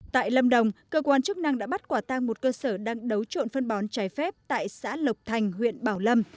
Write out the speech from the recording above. tại lâm đồng cơ quan chức năng đã bắt quả tang một cơ sở đang đấu trộn phân bón trái phép tại xã lộc thành huyện bảo lâm